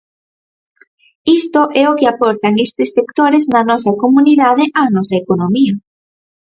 Isto é o que aportan estes sectores na nosa comunidade á nosa economía.